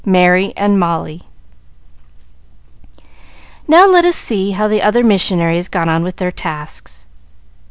Merry and Molly Now let us see how the other missionaries got on with their tasks.